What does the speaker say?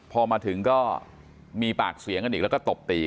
พอมาถึงก็มีปากเสียงกันอีกแล้วก็ตบตี